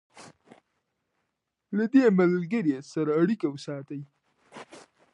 له دې ملګري سره اړیکه وساتئ.